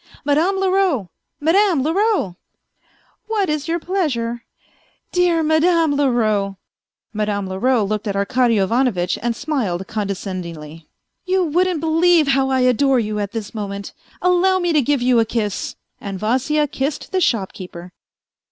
Madame Leroux, Madame Leroux !"" What is your pleasure ?"" Dear Madame Leroux." Madame Leroux looked at Arkady Ivanovitch and smiled condescendingly ." You wouldn't believe how I adore you at this moment. ... Allow me to give you a kiss. ..." And Vasya kissed the shopkeeper.